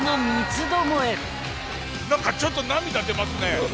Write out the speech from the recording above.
何かちょっと涙出ますね。